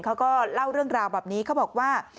เขาก็เล่าเรื่องราวแบบนี้เขาบอกว่า